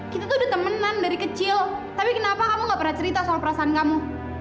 kita tuh udah temenan dari kecil tapi kenapa kamu gak pernah cerita soal perasaan kamu